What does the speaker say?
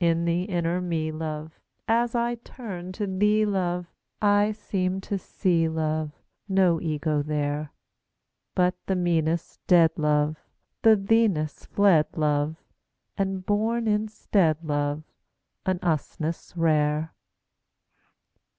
In the inner Me, love, As I turn to thee, love, I seem to see, love, No Ego there. But the Meness dead, love, The Theeness fled, love, And born instead, love, An Usness rare!